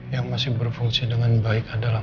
yang masih berfungsi dengan baik adalah